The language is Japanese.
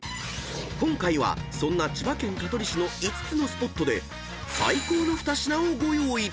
［今回はそんな千葉県香取市の５つのスポットで最高の２品をご用意］